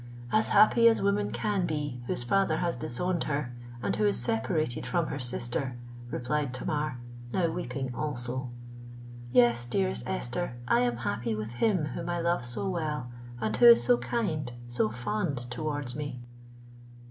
—"As happy as woman can be, whose father has disowned her and who is separated from her sister," replied Tamar, now weeping also. "Yes, dearest Esther, I am happy with him whom I love so well, and who is so kind, so fond towards me!"